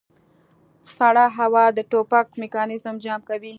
سړه هوا د ټوپک میکانیزم جام کوي